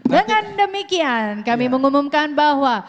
dengan demikian kami mengumumkan bahwa